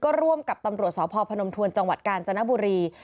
ก็ร่วมกับตำรวจสพพนมทวนจังหวัดกาญจนบุรี